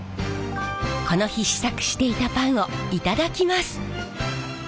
この日試作していたパンをいただきます。